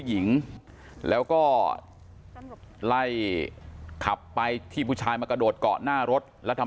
หญิงแล้วก็ไล่ขับไปที่ผู้ชายมากระโดดเกาะหน้ารถแล้วทำ